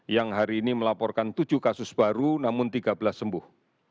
yang hari ini melaporkan tujuh kasus baru namun tiga belas sembuh